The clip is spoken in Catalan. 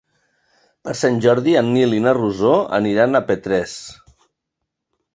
Per Sant Jordi en Nil i na Rosó aniran a Petrés.